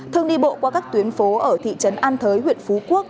thường đi bộ qua các tuyến phố ở thị trấn an thới huyện phú quốc